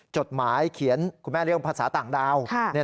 จดหมายเขียนคุณแม่เรื่องภาษาต่างดาว